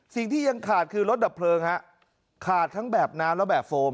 สิ่งที่ยังขาดคือรถดับเพลิงฮะขาดทั้งแบบน้ำและแบบโฟม